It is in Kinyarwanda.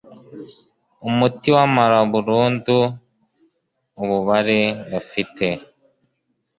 umuti wamara burundu ububare bafite